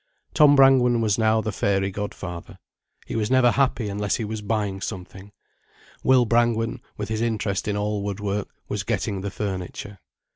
Tom Brangwen was now the fairy godfather. He was never happy unless he was buying something. Will Brangwen, with his interest in all wood work, was getting the furniture.